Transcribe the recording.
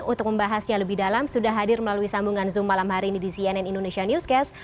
untuk membahasnya lebih dalam sudah hadir melalui sambungan zoom malam hari ini di cnn indonesia newscast